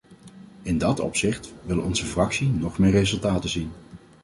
In dat opzicht wil onze fractie nog meer resultaten zien.